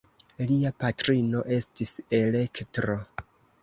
Lia patrino estis Elektro.